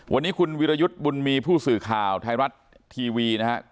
วันนี้คุณวิรยุทธ์บุญมีผู้สื่อข่าวไทยรัฐทีวีนะครับ